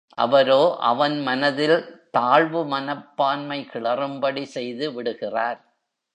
அவரோ அவன் மனத்தில் தாழ்வு மனப்பான்மை கிளறும்படி செய்து விடுகிறார்.